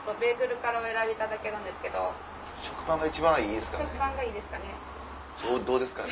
食パンが一番いいですかね？